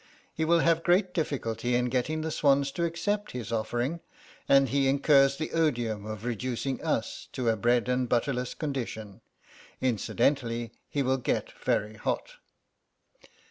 He will have great difficulty in getting the swans to accept his offering, and he incurs the odium of reducing us to a bread and butterless condition. Incidentally he will get very hot."